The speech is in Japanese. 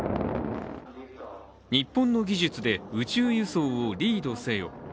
日本の技術で宇宙輸送をリードせよ。